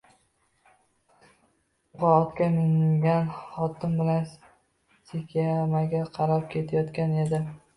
U otga mingan xotin bilan Sekiyamaga qarab ketayotgan edi.